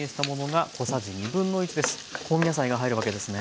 香味野菜が入るわけですね。